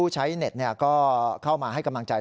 ใช้เน็ตก็เข้ามาให้กำลังใจ